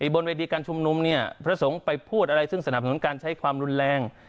บนเวทีการชุมนุมเนี่ยพระสงฆ์ไปพูดอะไรซึ่งสนับสนุนการใช้ความรุนแรง